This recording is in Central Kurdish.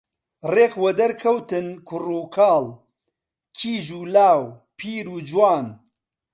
ڕێک وەدەرکەوتن کوڕوکاڵ، کیژ و لاو، پیر و جوان